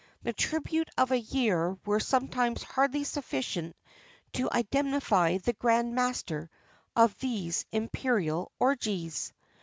The tributes of a year were sometimes hardly sufficient to indemnify the grand master of these imperial orgies.